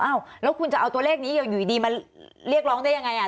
แล้วคุณจะเอาตัวเลขนี้อยู่ดีมาเรียกร้องได้ยังไง